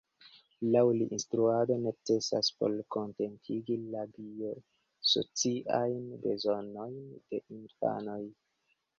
Laŭ li instruado necesas por kontentigi la 'bio-sociajn bezonojn' de infanoj.